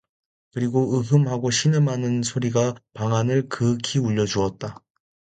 그리고 으흠 하고 신음하는 소리가 방 안을 그윽이 울려주었다.